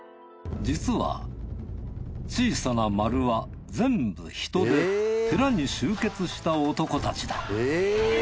実は小さな丸は全部人で寺に集結した男たちだえぇ！